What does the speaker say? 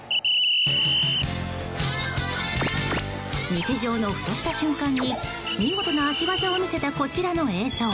日常のふとした瞬間に見事な足技を見せたこちらの映像。